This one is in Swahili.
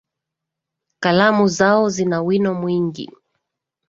Kalamu zao zina wino mwingi